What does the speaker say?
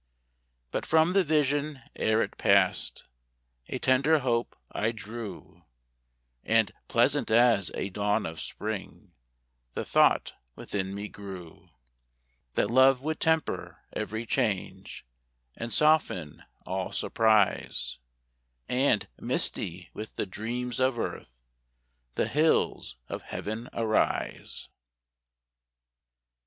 But from the vision ere it passed A tender hope I drew, And, pleasant as a dawn of spring, The thought within me grew, That love would temper every change, And soften all surprise, And, misty with the dreams of earth, The hills of Heaven arise.